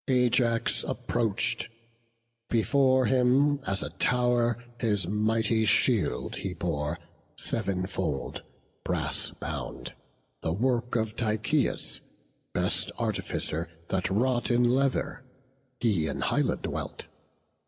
Ajax approach'd; before him, as a tow'r His mighty shield he bore, sev'n fold, brass bound, The work of Tychius, best artificer That wrought in leather; he in Hyla dwelt.